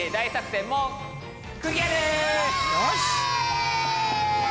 よし！